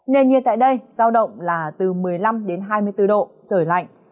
nền nhiệt tại đây sao động là từ một mươi năm hai mươi bốn độ trời lạnh